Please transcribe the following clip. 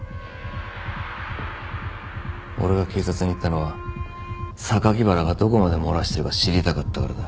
俺が警察に行ったのは榊原がどこまで漏らしてるか知りたかったからだ。